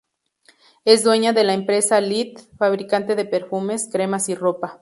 Es dueña de la empresa Lite, fabricante de perfumes, cremas y ropa.